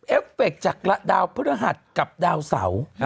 เอฟเฟคจากดาวพฤหัสกับดาวเสา